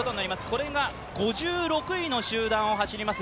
これが５６位の集団を走ります